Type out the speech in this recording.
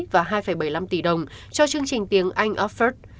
và hai bảy mươi năm tỷ đồng cho chương trình tiếng anh offerd